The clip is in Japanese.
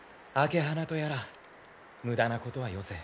朱鼻とやら無駄なことはよせ。